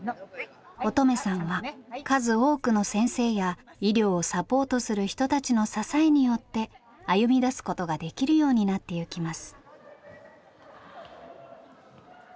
音十愛さんは数多くの先生や医療をサポートする人たちの支えによって歩みだすことができるようになってゆきます。